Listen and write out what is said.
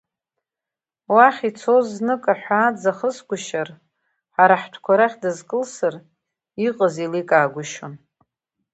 Уахь ицоз знык аҳәаа дзахысгәышьар, ҳара ҳтәқәа рахь дызкылсыр, иҟаз еиликаагәышьон.